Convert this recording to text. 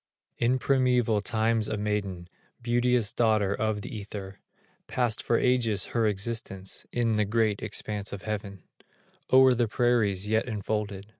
In primeval times, a maiden, Beauteous Daughter of the Ether, Passed for ages her existence In the great expanse of heaven, O'er the prairies yet enfolded.